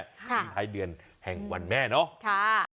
ถึงท้ายเดือนแห่งวันแม่เนาะ